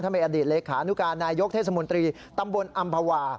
มีอดีตเลขานุการนายกเทศมนตรีตำบลอำภาวา